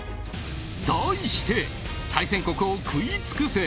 題して、対戦国を食い尽くせ！